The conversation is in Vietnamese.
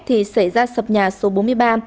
thì xảy ra sập nhà số bốn mươi ba